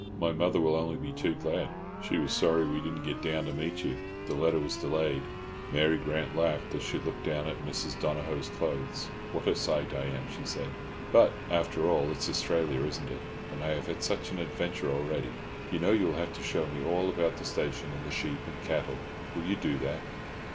My mother will only be too glad. She was sorry that we did not get down to meet you. The letter was delayed." Mary Grant laughed as she looked down at Mrs. Donohoe's clothes. "What a sight I am!" she said. "But, after all, it's Australia, isn't it? And I have had such adventures already! You know you will have to show me all about the station and the sheep and cattle. Will you do that?"